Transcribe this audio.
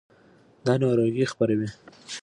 دا ناروغۍ خپروي.